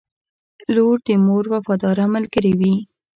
• لور د مور وفاداره ملګرې وي.